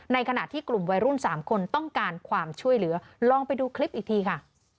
ขณะที่กลุ่มวัยรุ่น๓คนต้องการความช่วยเหลือลองไปดูคลิปอีกทีค่ะ